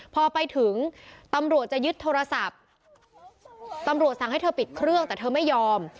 พอไปถึงตำรวจจะยึดโทรศัพท์ตำรวจสั่งให้เธอปิดเครื่องแต่เธอไม่ยอม